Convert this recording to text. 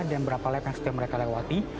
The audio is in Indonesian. dan berapa lap yang sudah mereka lewati